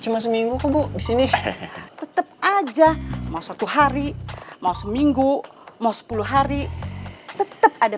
mau seminggu bu disini tetep aja mau satu hari mau seminggu mau sepuluh hari tetep ada